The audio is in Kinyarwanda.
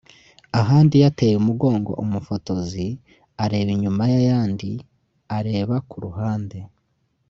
ahandi yateye umugongo umufotozi areba inyuma n’ayandi areba ku ruhande